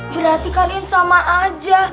berarti kalian sama aja